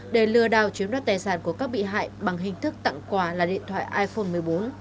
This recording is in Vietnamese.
để lừa đảo chiếm đoạt tài sản của các bị hại bằng hình thức tặng quà là điện thoại iphone một mươi bốn